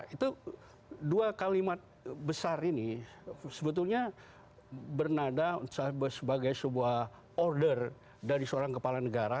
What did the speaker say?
itu dua kalimat besar ini sebetulnya bernada sebagai sebuah order dari seorang kepala negara